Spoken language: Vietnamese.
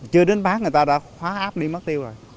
chưa đến bán người ta đã khóa áp đi mất tiêu rồi